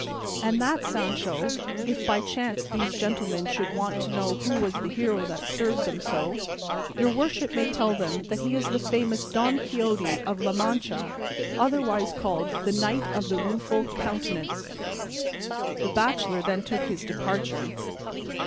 And said Sancho, "If by chance these gentlemen should want to know who was the hero that served them so, your worship may tell them that he is the famous Don Quixote of La Mancha, otherwise called the Knight of the Rueful Countenance." The bachelor then took his departure.